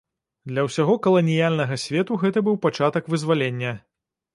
Для ўсяго каланіяльнага свету гэта быў пачатак вызвалення.